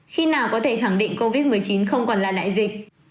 khi nào có thể khẳng định covid một mươi chín không còn là đại dịch